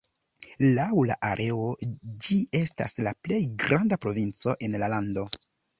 Laŭ la areo ĝi estas la plej granda provinco en la lando.